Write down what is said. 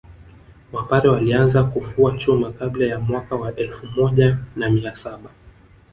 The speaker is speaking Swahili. Wapare walianza kufua chuma kabla ya mwaka wa elfu moja na mia saba